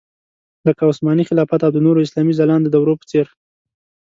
لکه عثماني خلافت او د نورو اسلامي ځلانده دورو په څېر.